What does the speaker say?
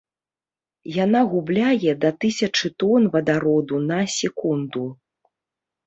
Яна губляе да тысячы тон вадароду на секунду.